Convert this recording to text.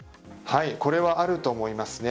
これはあると思います。